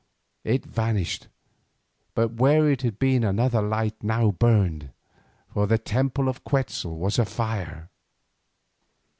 It vanished, but where it had been another light now burned, for the temple of Quetzal was afire.